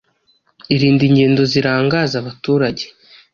Irinde ingendo zirangaza abaturage